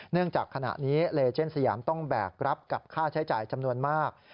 จากขณะนี้เลเจนสยามต้องแบกรับกับค่าใช้จ่ายจำนวนมาก